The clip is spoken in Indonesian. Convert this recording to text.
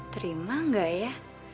terima gak ya